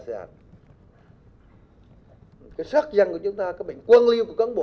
cái sát dăng của chúng ta cái bệnh quân liêu của cán bộ